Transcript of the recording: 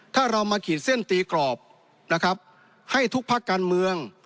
ถ้าเรามาขีดเส้นตรีกรอบให้ทุกภัครเมือง